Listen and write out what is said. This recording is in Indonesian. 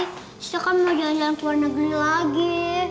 kita kan mau jalan jalan ke luar negeri lagi